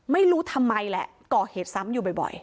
ไม่รู้ทำไมแหละก่อเหตุซ้ำอยู่บ่อย